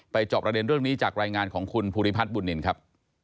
จอบประเด็นเรื่องนี้จากรายงานของคุณภูริพัฒน์บุญนินครับ